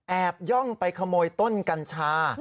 ย่องไปขโมยต้นกัญชา